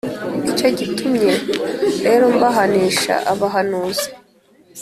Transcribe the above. Ni cyo gitumye rero mbahanisha abahanuzi,